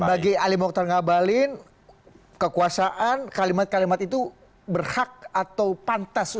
dan bagi ali mokhtar ngabalin kekuasaan kalimat kalimat itu berhak atau pantas